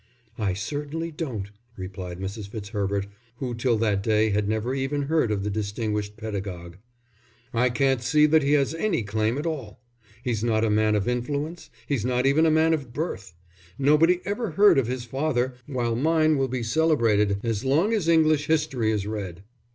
"I certainly don't," replied Mrs. Fitzherbert, who till that day had never even heard of the distinguished pedagogue. "I can't see that he has any claim at all. He's not a man of influence, he's not even a man of birth. Nobody ever heard of his father, while mine will be celebrated as long as English history is read."